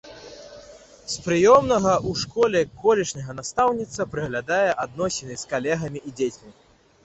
З прыемнага ў школе колішняя настаўніца прыгадвае адносіны з калегамі і з дзецьмі.